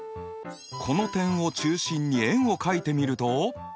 この点を中心に円を書いてみると。